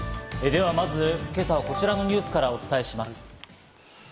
ではまず、今朝はこちらのニュースからお伝えします。